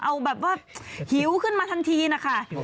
เอาแบบว่าหิวขึ้นมาทันทีนะคะ